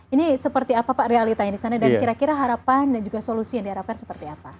ini seperti apa pak realitanya di sana dan kira kira harapan dan juga solusi yang diharapkan seperti apa